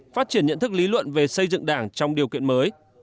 phát triển nhận thức lý luận về xây dựng đảng trong điều kiện mới